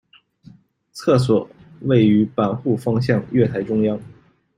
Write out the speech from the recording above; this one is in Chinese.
厕所位于坂户方向月台中央。